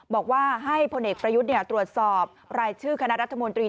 บอกว่าให้พลเอกประยุทธ์ตรวจสอบรายชื่อคณะรัฐมนตรี